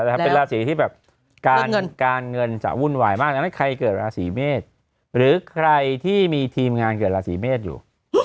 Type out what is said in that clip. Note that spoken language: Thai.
เป็นราศีที่แบบการเงินจะวุ่นวายมากดังนั้นใครเกิดราศีเมษหรือใครที่มีทีมงานเกิดราศีเมษอยู่